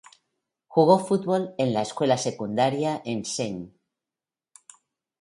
Jugó fútbol en la escuela secundaria en St.